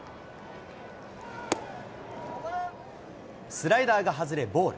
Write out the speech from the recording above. スライダーが外れボール。